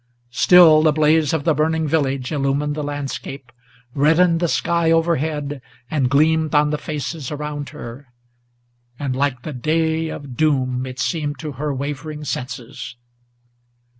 Still the blaze of the burning village illumined the landscape, Reddened the sky overhead, and gleamed on the faces around her, And like the day of doom it seemed to her wavering senses.